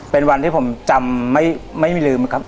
เป็นวันที่ผมจำไม่ลืมครับ